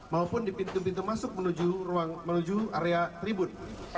maupun di pintu pintu masuk menuju area tribun